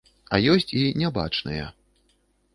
А ёсць і нябачныя.